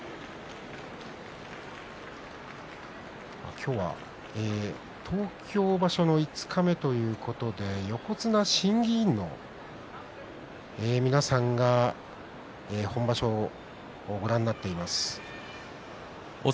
今日は東京場所の五日目ということで、横綱審議員の皆さんが今場所ご覧になっています。